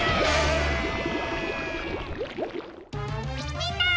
みんな！